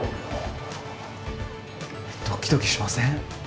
ドキドキしません？